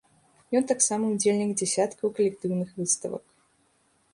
Ён таксама ўдзельнік дзясяткаў калектыўных выставак.